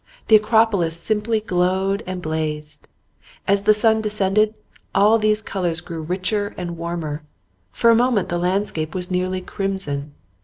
The Acropolis simply glowed and blazed. As the sun descended all these colours grew richer and warmer; for a moment the landscape was nearly crimson.